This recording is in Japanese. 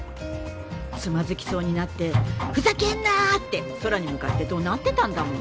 つまずきそうになって「ふざけんな！」って空に向かって怒鳴ってたんだもの。